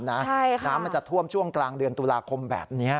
น้ำมันจะท่วมช่วงกลางเดือนตุลาคมแบบนี้